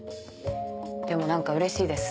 でも何かうれしいです。